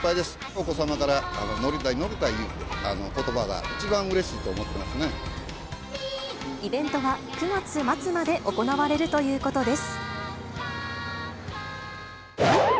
お子様から乗りたい乗りたいということばが一番うれしいと思ってイベントは９月末まで行われるということです。